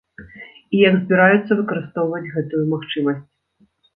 І як збіраюцца выкарыстоўваць гэтую магчымасць.